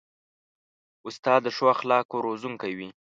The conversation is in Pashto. استاد د ښو اخلاقو روزونکی وي.